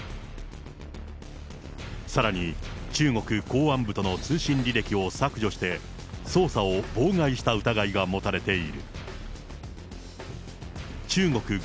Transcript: さらに、中国公安部との通信履歴を削除して、捜査を妨害した疑いが持たれている。